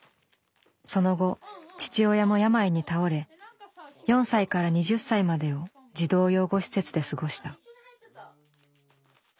その後父親も病に倒れ４歳から２０歳までを児童養護施設で過ごした。